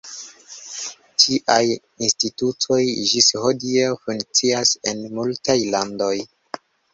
Tiaj institutoj ĝis hodiaŭ funkcias en multaj landoj.